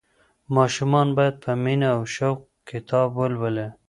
ماشومان باید په مینه او شوق کتاب ولولي.